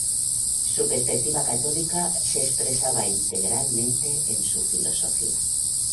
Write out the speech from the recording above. Su perspectiva católica se expresaba integralmente en su filosofía.